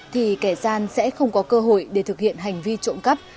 thì kẻ gian sẽ không có cơ hội để thực hiện hành vi trộm cắp